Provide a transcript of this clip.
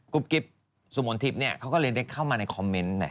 กุ๊บกิ๊บสุโมนทิพย์เนี่ยเขาก็เรียนได้เข้ามาในคอมเม้นต์